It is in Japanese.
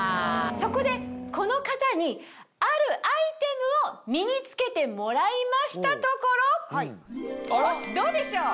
そこでこの方にあるアイテムを身に着けてもらいましたところどうでしょう？